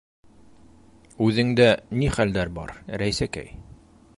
- Үҙеңдә ни хәлдәр бар, Рәйсәкәй?